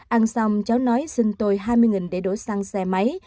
ăn xong cháu nói xin tôi hai mươi để đổ xăng xe máy